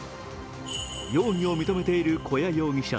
容疑を認めている古屋容疑者。